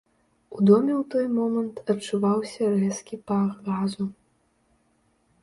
У доме ў той момант адчуваўся рэзкі пах газу.